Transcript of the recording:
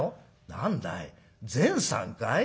『何だい善さんかい？